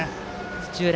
土浦